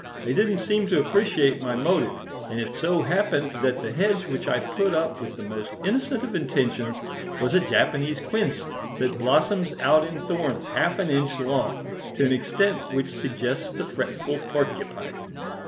They didn't seem to appreciate my motive, and it so happened that the hedge which I put up with the most innocent of intentions was a Japanese quince that blossoms out in thorns half an inch long, to an extent which suggests the fretful porcupine.